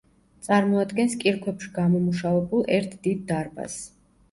წარმოადგენს კირქვებში გამომუშავებულ ერთ დიდ დარბაზს.